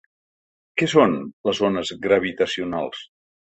Què són les ones gravitacionals?